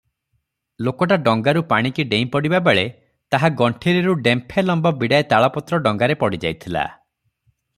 ଲୋକଟା ଡଙ୍ଗାରୁ ପାଣିକି ଡେଇଁ ପଡ଼ିବାବେଳେ ତାହା ଗଣ୍ଠିରିରୁ ଡେମ୍ପେ ଲମ୍ବ ବିଡ଼ାଏ ତାଳପତ୍ର ଡଙ୍ଗାରେ ପଡ଼ିଯାଇଥିଲା ।